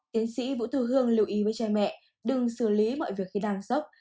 tiến sĩ vũ thư hương lưu ý với cha mẹ đừng xử lý mọi việc khi đang sốc